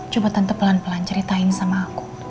coba tentu pelan pelan ceritain sama aku